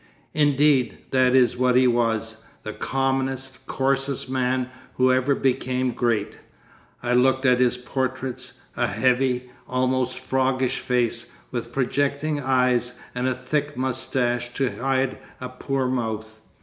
Indeed, that is what he was, the commonest, coarsest man, who ever became great. I looked at his portraits, a heavy, almost froggish face, with projecting eyes and a thick moustache to hide a poor mouth.